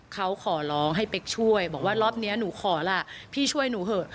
เขาขอร้องให้เป๊กช่วยบอกว่ารอบนี้หนูขอล่ะพี่ช่วยหนูเถอะ